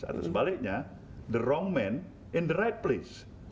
atau sebaliknya orang yang salah di tempat yang benar